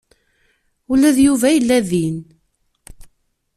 Ula d Yuba yella din.